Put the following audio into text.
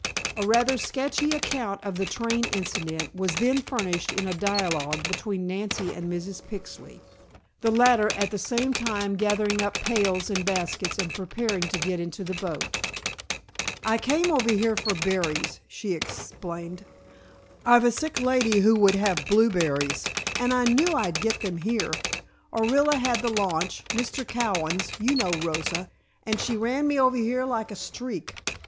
A rather sketchy account of the train incident was then furnished in a dialogue between Nancy and Mrs. Pixley, the latter at the same time gathering up pails and baskets and preparing to get into the boat. "I came over here for berries," she explained. "I've a sick lady who would have blueberries, and I knew I'd get them here. Orilla had the launch Mr. Cowan's, you know, Rosa, and she ran me over here like a streak.